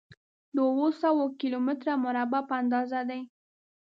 د اووه سوه کيلو متره مربع په اندازه دی.